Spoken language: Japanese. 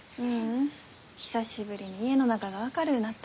久しぶりに家の中が明るうなったき。